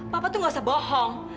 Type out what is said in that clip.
bapak tuh gak usah bohong